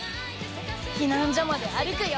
避難所まで歩くよ。